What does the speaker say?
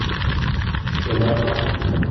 J'fais ma croix.